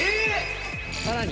さらに！